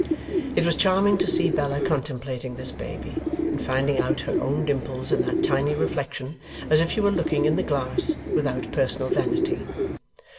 It was charming to see Bella contemplating this baby, and finding out her own dimples in that tiny reflection, as if she were looking in the glass without personal vanity.